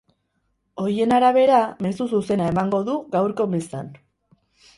Horien arabera, mezu zuzena emango du gaurko mezan.